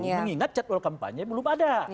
mengingat jadwal kampanye belum ada